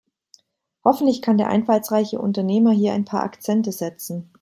Hoffentlich kann der einfallsreiche Unternehmer hier ein paar Akzente setzen.